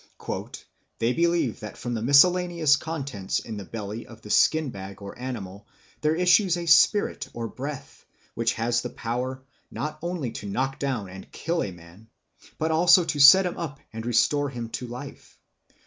"They believe that from the miscellaneous contents in the belly of the skin bag or animal there issues a spirit or breath, which has the power, not only to knock down and kill a man, but also to set him up and restore him to life."